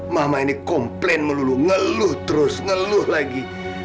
mama ini komplain melulu ngeluh terus ngeluh lagi